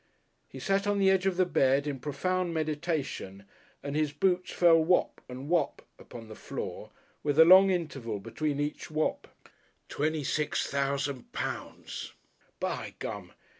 He sat on the edge of the bed in profound meditation and his boots fell "whop" and "whop" upon the floor, with a long interval between each "whop." Twenty five thousand pounds. "By Gum!"